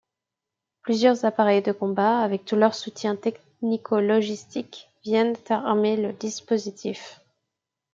Plusieurs appareils de combat avec tout leur soutien technico-logistique, viennent armer le dispositif.